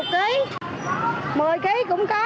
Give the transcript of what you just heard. một mươi kg cũng có